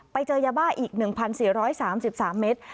ไปเจอยาบ้าอีก๑๔๓๓เมตร